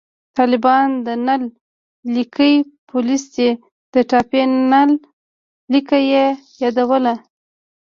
طالبان د نل لیکي پولیس دي، د ټاپي نل لیکه یې یادوله